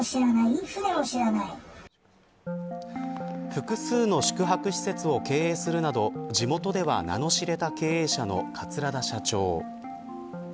複数の宿泊施設を経営するなど地元では名の知れた経営者の桂田社長。